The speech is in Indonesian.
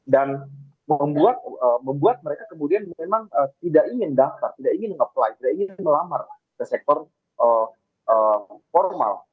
dan membuat mereka kemudian memang tidak ingin daftar tidak ingin apply tidak ingin melamar ke sektor formal